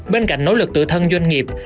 bên cạnh nỗ lực tự thân doanh nghiệp